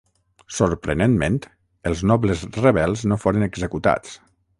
Sorprenentment, els nobles rebels no foren executats.